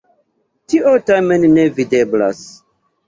Tio tamen ne videblas.